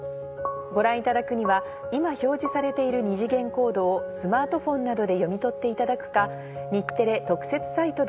ご覧いただくには今表示されている二次元コードをスマートフォンなどで読み取っていただくか。